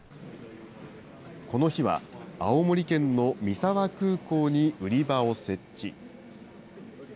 この日は青森県の三沢空港に売り場を設置。